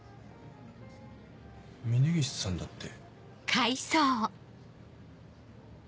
峰岸さんだって。